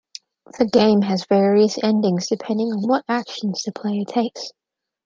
The game has various endings depending on what actions the player takes.